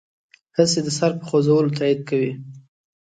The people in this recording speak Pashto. هسې د سر په خوځولو تایید کوي.